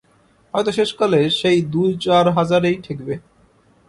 হয়তো শেষকালে সেই দু-চার হাজারেই ঠেকবে।